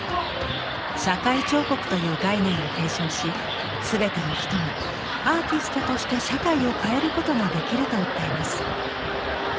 「社会彫刻」という概念を提唱し全ての人がアーティストとして社会を変えることができると訴えます。